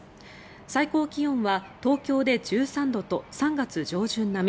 最高気温は東京で１３度と３月上旬並み。